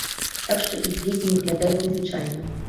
Так што іх дзеці не выглядаюць незвычайна.